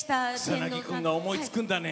草なぎ君が思いつくんだね。